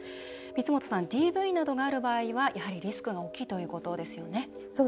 光本さん、ＤＶなどがある場合やはりリスクが大きいということですね。